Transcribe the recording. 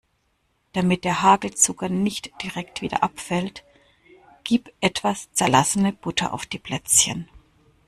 Damit der Hagelzucker nicht direkt wieder abfällt, gib etwas zerlassene Butter auf die Plätzchen.